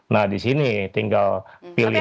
nah di sini tinggal pilih